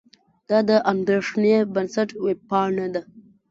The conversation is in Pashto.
دا د اندېښې بنسټ وېبپاڼه ده.